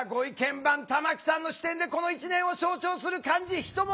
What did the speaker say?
番玉木さんの視点でこの１年を象徴する漢字１文字を披露します。